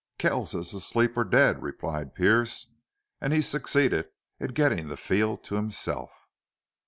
"Kells is asleep or dead," replied Pearce, and he succeeded in getting the field to himself.